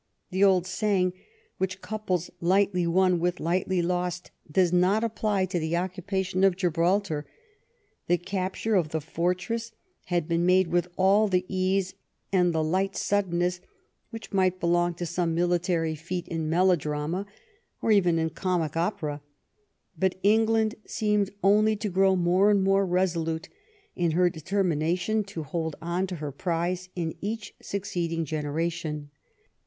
The old saying which couples lightly won with lightly lost does not apply to the occupation of Gibraltar. The capture of the fortress had been made with all the ease and the light suddenness which might belong to some military feat in melodrama, or even in comic opera. But England seemed only to grow more and more resolute in her determination to hold on to her prize in each succeeding generation.